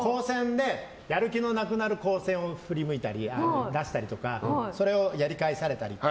やる気のなくなる光線を出したりとかそれをやり返されたり。